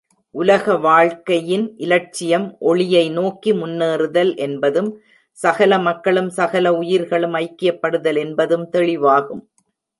உலக வாழ்க்கையின் இலட்சியம் ஒளியை நோக்கி முன்னேறுதல் என்பதும், சகல மக்களும், சகல உயிர்களும் ஐக்கியப்படுதல் என்பதும் தெளிவாகும்.